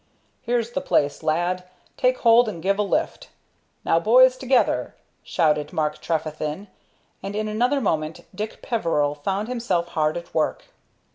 "Here's the place, lad. Take hold and give a lift. Now, boys, altogether"! shouted Mark Trefethen, and in another moment Dick Peveril found himself hard at work.